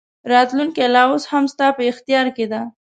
راتلونکې لا اوس هم ستا په اختیار کې ده.